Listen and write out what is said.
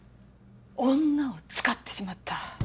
「女」を使ってしまった。